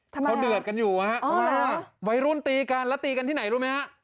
เขาเดือดกันอยู่นะฮะวัยรุ่นตีกันแล้วตีกันที่ไหนรู้ไหมฮะ